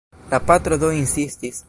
La patro do insistis.